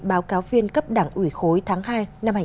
báo cáo viên cấp đảng ủy khối tháng hai năm hai nghìn hai mươi